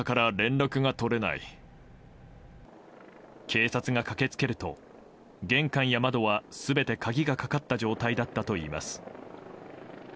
警察が駆け付けると玄関や窓は全て鍵がかかった状態だったといいます。